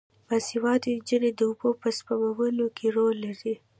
باسواده نجونې د اوبو په سپمولو کې رول لري.